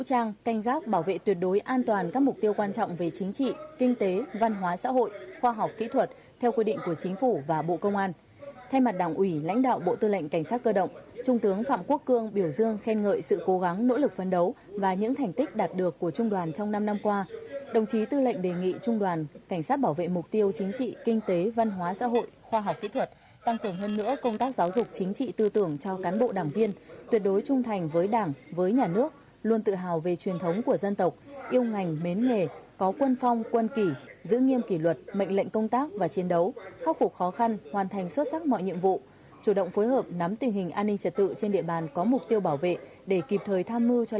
cảnh sát bảo vệ mục tiêu chính trị kinh tế văn hóa xã hội khoa học kỹ thuật tăng cường hơn nữa công tác giáo dục chính trị tư tưởng cho cán bộ đảng viên tuyệt đối trung thành với đảng với nhà nước luôn tự hào về truyền thống của dân tộc yêu ngành mến nghề có quân phong quân kỷ giữ nghiêm kỷ luật mệnh lệnh công tác và chiến đấu khắc phục khó khăn hoàn thành xuất sắc mọi nhiệm vụ chủ động phối hợp nắm tình hình an ninh trật tự trên địa bàn có mục tiêu bảo vệ để kịp thời tham mưu cho l